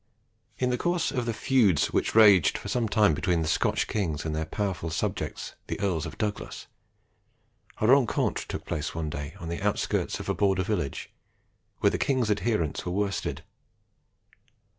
In the course of the feuds which raged for some time between the Scotch kings and their powerful subjects the Earls of Douglas, a rencontre took place one day on the outskirts of a Border village, when the king's adherents were worsted.